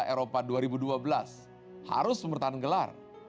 piala eropa dua ribu dua belas harus bertahan gelar